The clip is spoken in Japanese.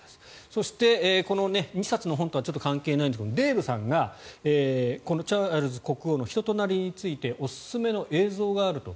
そして、２冊の本とはちょっと関係ないんですがデーブさんがチャールズ国王の人となりについておすすめの映像があると。